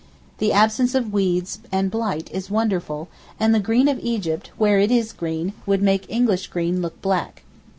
The absence of weeds and blight is wonderful, and the green of Egypt, where it is green, would make English green look black.